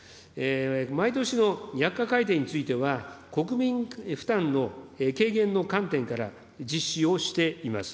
毎年の薬価改定については、国民負担の軽減の観点から実施をしています。